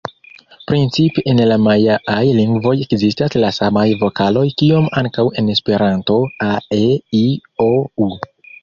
Principe en la majaaj lingvoj ekzistas la samaj vokaloj kiom ankaŭ en Esperanto: a-e-i-o-u.